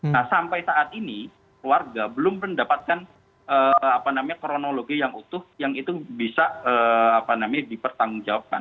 nah sampai saat ini keluarga belum mendapatkan apa namanya kronologi yang utuh yang itu bisa apa namanya dipertanggungjawabkan